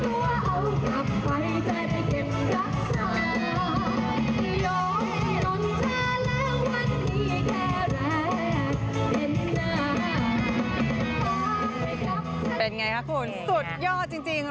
ขอให้กับฉันเป็นไงคะคุณสุดยอดจริง